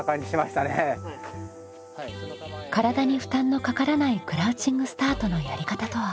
体に負担のかからないクラウチングスタートのやり方とは？